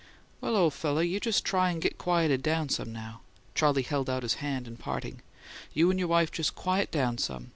"Well, ole feller, you just try and get quieted down some now." Charley held out his hand in parting. "You and your wife just quiet down some.